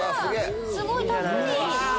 すごいたっぷり！